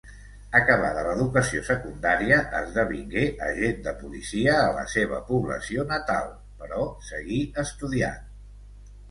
Acabada l'educació secundària esdevingué agent de policia a la seva població natal, però seguí estudiant.